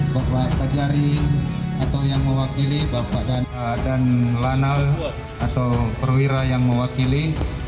bapak kajari atau yang mewakili bapak dan lanal atau perwira yang mewakili